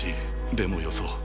でもよそう。